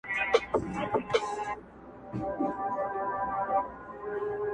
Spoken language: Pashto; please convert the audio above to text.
چا یې نه سوای د قدرت سیالي کولای!